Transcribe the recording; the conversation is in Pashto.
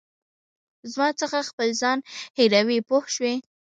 زما څخه خپل ځان هېروې پوه شوې!.